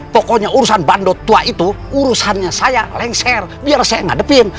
pokoknya urusan bandot tua itu urusannya saya lengser biar saya nggak depin